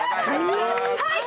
はい！